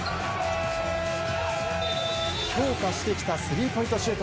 強化してきたスリーポイントシュート。